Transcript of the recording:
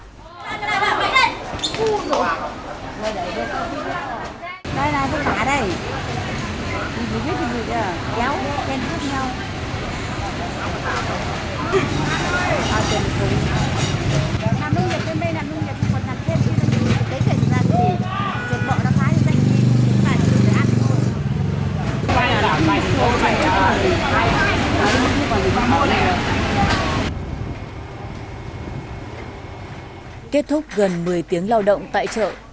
hãy đăng ký kênh để ủng hộ kênh của mình nhé